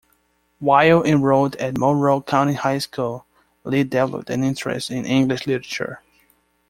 While enrolled at Monroe County High School, Lee developed an interest in English literature.